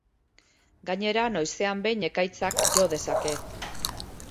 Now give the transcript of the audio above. Gainera noizean behin ekaitzak jo dezake.